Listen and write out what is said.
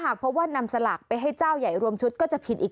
เพราะว่านำสลากไปให้เจ้าใหญ่รวมชุดก็จะผิดอีก